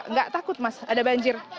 nggak takut mas ada banjir